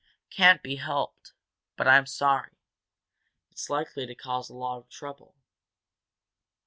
"Can't be helped but I'm sorry. It's likely to cause a lot of trouble."